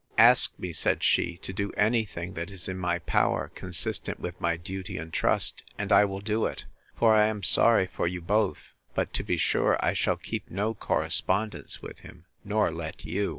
Ask me, said she, to do any thing that is in my power, consistent with my duty and trust, and I will do it: for I am sorry for you both. But, to be sure, I shall keep no correspondence with him, nor let you.